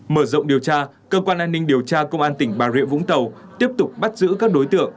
mở rộng điều tra cơ quan an ninh điều tra công an tỉnh bà rịa vũng tàu tiếp tục bắt giữ các đối tượng